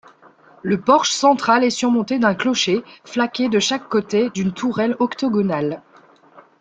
Le porche central est surmonté d'un clocher flaqué de chaque côté d'une tourelle octogonale.